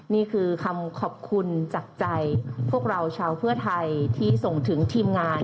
นี่คือคำขอบคุณจากใจพวกเราชาวเพื่อไทยที่ส่งถึงทีมงาน